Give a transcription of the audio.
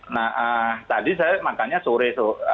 nah tadi saya makannya sore